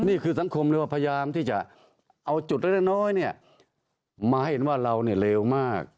นี่คือสังคมเราพยายามที่จะเอาจุดเล่นน้อยมาให้เห็นว่าเราเนี่ยเร็วมาก